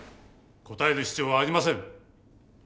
答える必要はありません。